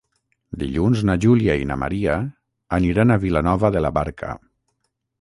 Dilluns na Júlia i na Maria aniran a Vilanova de la Barca.